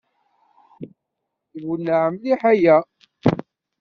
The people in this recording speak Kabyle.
Iwenneɛ mliḥ akya.